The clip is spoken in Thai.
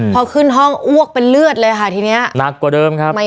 พอขึ้นห้องอ้วกเป็นเลือดเลยค่ะทีนี้